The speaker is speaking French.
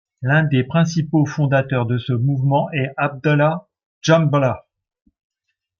L'un des principaux fondateurs de ce mouvement est Abdallah Djaballah.